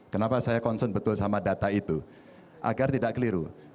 kenapa saya concern betul sama data itu agar tidak keliru